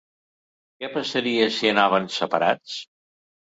Què passaria si anaven separats?